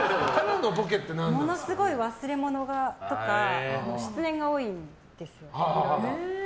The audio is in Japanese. ものすごい、忘れ物とか失念が多いんですよ。